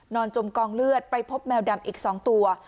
จมกองเลือดไปพบแมวดำอีก๒ตัว